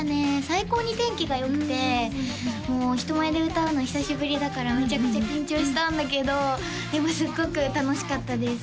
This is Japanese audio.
最高に天気がよくてもう人前で歌うの久しぶりだからむちゃくちゃ緊張したんだけどでもすごく楽しかったです